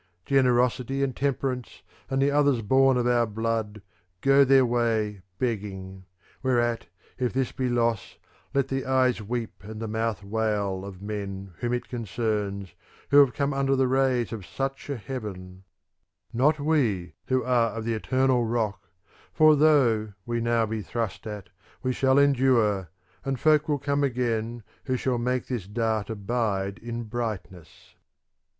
' Generosity and Temperance, and the others bom ' Of our blood, go their way begging ; whereat, if this be loss, let the eyes weep and the mouth wail of men, whom it concerns, who have come under the rays of such a heaven : not we, who are of the eternal rock, for though we now be thrust at we shall 412 THE CONVIVIO Ode endure, and folk will come again who shall make this dart abide in brightness.'